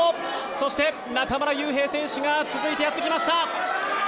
そして中村悠平選手が続いてやってきました！